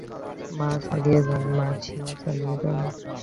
মা চলিয়া যান, মাসিমা চলিয়া যান।